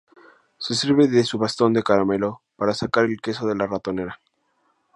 Se sirve de su bastón de caramelo para sacar el queso de la ratonera.